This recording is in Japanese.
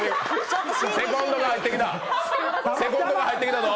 セコンドが入ってきたぞ！